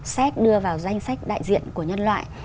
xét đưa vào danh sách đại diện của nhân loại